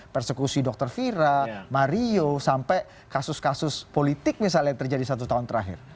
persekusi dokter fira mario sampai kasus kasus politik misalnya yang terjadi satu tahun terakhir